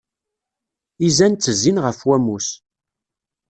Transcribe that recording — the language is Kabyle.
Izan ttezzin ɣef wamus.